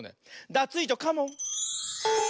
ダツイージョカモン！